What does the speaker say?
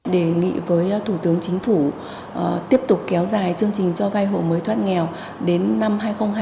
đề nghị với thủ tướng chính phủ tiếp tục kéo dài chương trình cho vay hộ mới thoát nghèo đến năm hai nghìn hai mươi